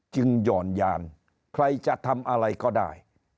หย่อนยานใครจะทำอะไรก็ได้